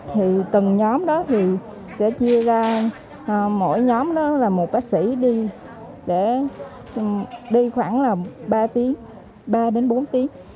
thì từng nhóm đó thì sẽ chia ra mỗi nhóm đó là một bác sĩ đi khoảng là ba đến bốn tiếng